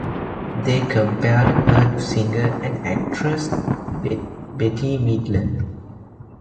They compared her to singer and actress Bette Midler.